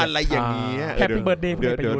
อะไรอย่างนี้